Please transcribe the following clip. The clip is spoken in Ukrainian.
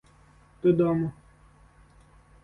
Додому.